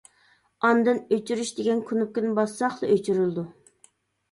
ئاندىن ئۆچۈرۈش دېگەن كۇنۇپكىنى باسساقلا ئۆچۈرۈلىدۇ.